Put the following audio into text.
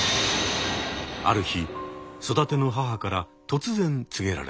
ある日育ての母から突然告げられます。